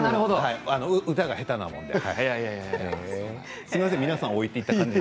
歌が下手なものですみません皆さん置いていってしまって。